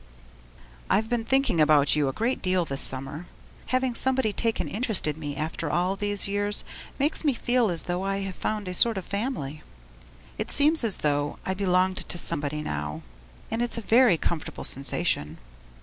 I have been thinking about you a great deal this summer; having somebody take an interest in me after all these years makes me feel as though I had found a sort of family. It seems as though I belonged to somebody now, and it's a very comfortable sensation.